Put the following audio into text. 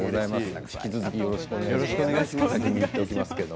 引き続きよろしくお願いします。